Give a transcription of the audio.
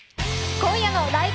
今夜の「ライブ！